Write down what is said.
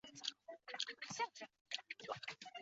永康市第二中学是中国浙江省永康市的一所高级中学。